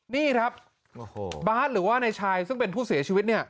นี่ครับโอ้โหบาร์ดหรือว่าในชายซึ่งเป็นผู้เสียชีวิตเนี่ย